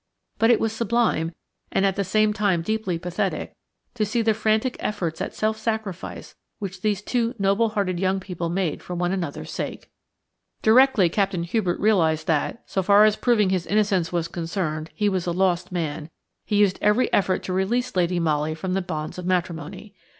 But it was sublime, and at the same time deeply pathetic, to see the frantic efforts at self sacrifice which these two noble hearted young people made for one another's sake. Directly Captain Hubert realised that, so far as proving his innocence was concerned, he was a lost man, he used every effort to release Lady Molly from the bonds of matrimony.